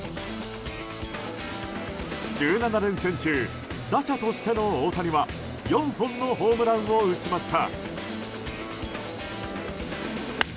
１７連戦中、打者としての大谷は４本のホームランを打ちました。